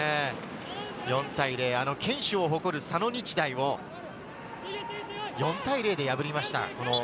４対０、あの堅守を誇る佐野日大を４対０で破りました。